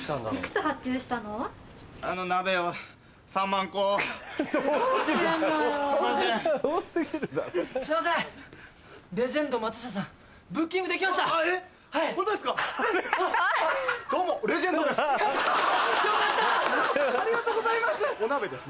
ありがとうございます。